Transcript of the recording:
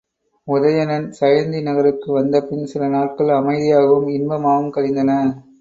உதயணன் சயந்தி நகருக்கு வந்தபின் சில நாள்கள் அமைதியாகவும் இன்பமாகவும் கழிந்தன.